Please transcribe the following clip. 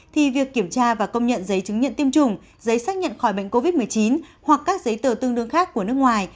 thì việc kiểm tra và công nhận giấy chứng nhận tiêm chủng giấy xác nhận khỏi bệnh covid một mươi chín hoặc các giấy tờ tương đương khác của nước ngoài